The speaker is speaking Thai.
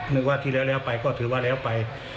นึกว่าที่แล้วไปก็ถือว่าแล้วไป